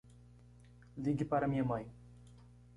Ligue para minha mãe.